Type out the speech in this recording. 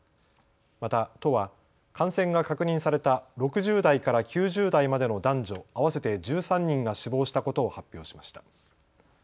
また都は感染が確認された６０代から９０代までの男女合わせて１３人が死亡したことを発表しました。